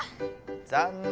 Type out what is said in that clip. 残念。